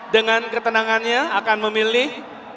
dengan ketenangannya akan memilih